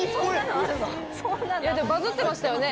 バズってましたよね。